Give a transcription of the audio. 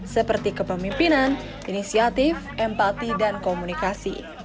seperti kepemimpinan inisiatif empati dan komunikasi